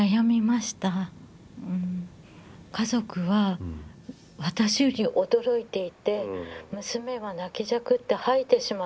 家族は私より驚いていて娘は泣きじゃくって吐いてしまったり。